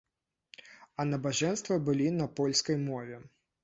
А набажэнствы былі на польскай мове.